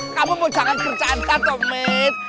kamu bu jangan bercanda tomet